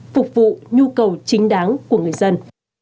phục vụ nhu cầu chính đáng của người dân